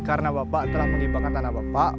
karena bapak telah mengibarkan tanah bapak